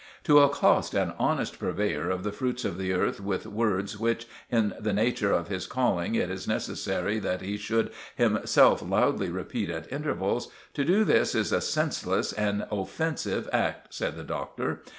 "To accost an honest purveyor of the fruits of the earth with words which, in the nature of his calling, it is necessary that he should himself loudly repeat at intervals—to do this is a senseless and offensive act," said the Doctor.